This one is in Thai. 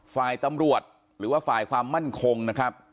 ฝ่ายตำรวจหรือว่าฝ่ายความมั่นคงนะครับ